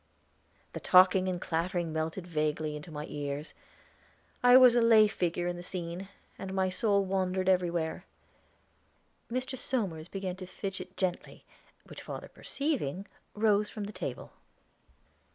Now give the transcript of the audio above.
The talking and clattering melted vaguely into my ears; I was a lay figure in the scene, and my soul wandered elsewhere. Mr. Somers began to fidget gently, which father perceiving, rose from the table.